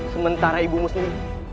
sementara ibumu sendiri